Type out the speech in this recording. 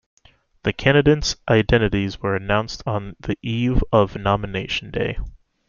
The candidates' identities were announced on the eve of nomination day.